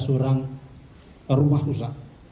sebelas orang rumah rusak